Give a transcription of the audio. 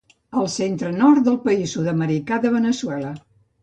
Al centre nord del país sud-americà de Veneçuela.